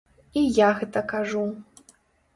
І я гэта кажу.